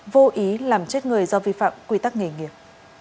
vô ý làm chết người do vi phạm quy tắc nghề nghiệp